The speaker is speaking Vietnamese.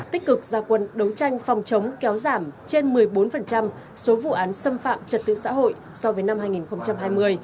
tích cực gia quân đấu tranh phòng chống kéo giảm trên một mươi bốn số vụ án xâm phạm trật tự xã hội so với năm hai nghìn hai mươi